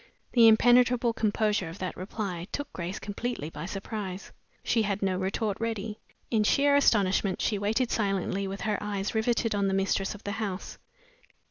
The impenetrable composure of that reply took Grace completely by surprise. She had no retort ready. In sheer astonishment she waited silently with her eyes riveted on the mistress of the house.